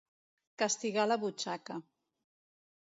Castigar la butxaca.